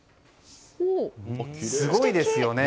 すごいですよね。